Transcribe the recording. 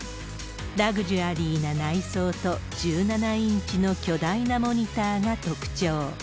ラグジュアリーな内装と、１７インチの巨大なモニターが特徴。